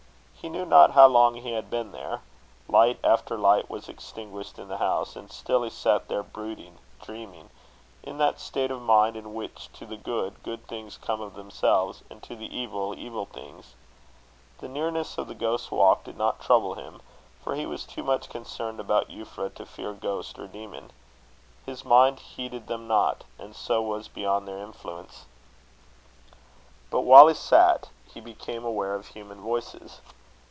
He knew not how long he had been there. Light after light was extinguished in the house, and still he sat there brooding, dreaming, in that state of mind in which to the good, good things come of themselves, and to the evil, evil things. The nearness of the Ghost's Walk did not trouble him, for he was too much concerned about Euphra to fear ghost or demon. His mind heeded them not, and so was beyond their influence. But while he sat, he became aware of human voices.